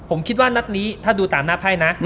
ผมคิดว่านัดนี้ถ้าดูตามหน้าไพ่นะ